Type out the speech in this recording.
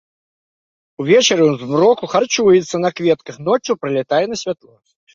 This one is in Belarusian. Увечары ў змроку харчуецца на кветках, ноччу прылятае на святло.